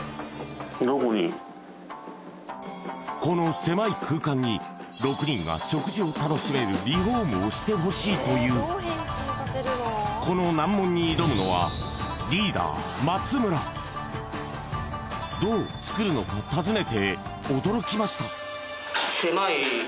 この狭い空間に６人が食事を楽しめるリフォームをしてほしいというこの難問に挑むのはリーダーどう作るのか尋ねて驚きました